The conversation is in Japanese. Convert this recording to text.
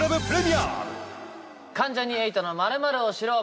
「関ジャニ∞の○○をシロウ」。